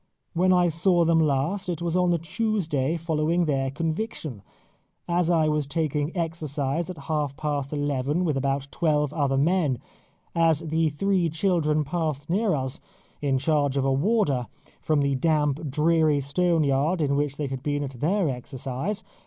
When I saw them last it was on the Tuesday following their conviction. I was taking exercise at half past eleven with about twelve other men, as the three children passed near us, in charge of a warder, from the damp, dreary stone yard in which they had been at their exercise.